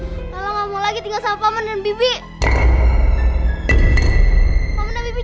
jangan kebanyakan cerita titik intinya kami datang kesini mau bawa keponakan suami kita ke rumah sakit ya pak